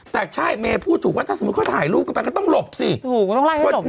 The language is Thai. แต่ใช่เมพูดถูกว่าถ้าเขาถ่ายรูปกันก็ต้องหลบสิถูกต้องล่ายให้หลบเนี่ย